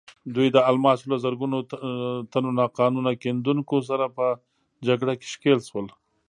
دوی د الماسو له زرګونو تنو ناقانونه کیندونکو سره په جګړه کې ښکېل شول.